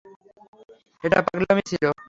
এটা পাগলামি ছিল!